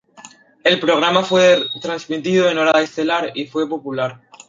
El programa fue transmitido en horario estelar y fue popular.